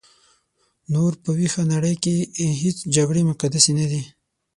نور په ویښه نړۍ کې هیڅ جګړې مقدسې نه دي.